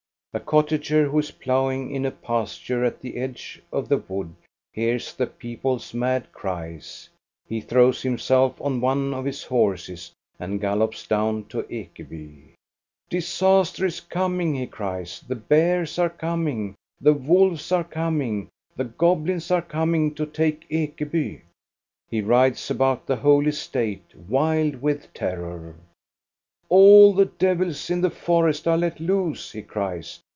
A cottager who is ploughing in a pasture at the edge of the wood hears the people's mad cries. He throws himself on one of his horses and gallops down to Ekeby. "Disaster is coming!" he cries; "the bears are coming, the wolves are coming, the goblins are coming to take Ekeby! " He rides about the whole estatCj wild with Krrc iei "All the devils in the forest are let loose!" he ries.